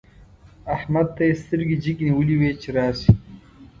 احمد ته يې سترګې جګې نيولې وې چې راشي.